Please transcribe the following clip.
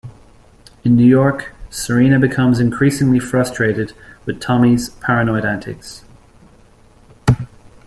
In New York, Serena becomes increasingly frustrated with Tommy's paranoid antics.